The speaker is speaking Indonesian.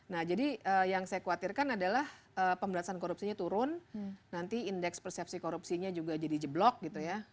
nah jadi yang saya khawatirkan adalah pemberantasan korupsinya turun nanti indeks persepsi korupsinya juga jadi jeblok gitu ya